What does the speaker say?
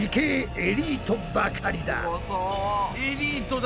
エリートだな。